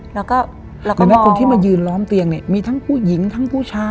แล้วก็ตอนนี้คนที่มายืนล้อมเตียงเนี่ยมีทั้งผู้หญิงทั้งผู้ชาย